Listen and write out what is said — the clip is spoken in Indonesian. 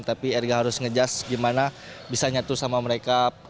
tapi erga harus ngejust gimana bisa nyatu sama mereka